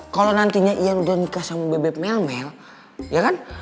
kalau nantinya iya udah nikah sama bebek melmel ya kan